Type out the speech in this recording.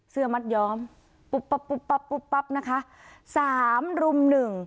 เสื้อมัดยอมปุ๊บปั๊บปุ๊บปั๊บปุ๊บปั๊บนะคะสามรุ่มหนึ่ง